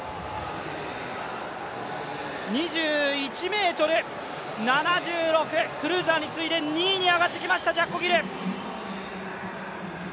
２１ｍ７６、クルーザーに次いで２位に上がってきましたジャッコ・ギル。